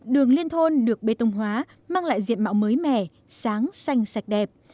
đường liên thôn được bê tông hóa mang lại diện mạo mới mẻ sáng xanh sạch đẹp